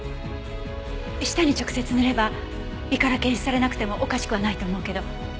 舌に直接塗れば胃から検出されなくてもおかしくはないと思うけど。